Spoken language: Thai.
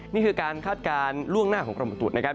นี่คือการคาดการณ์ล่วงหน้าของกรมประตุนะครับ